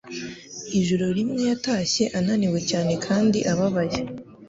Ijoro rimwe yatashye ananiwe cyane kandi ababaye.